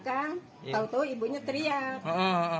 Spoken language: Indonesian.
tahu tahu ibunya teriak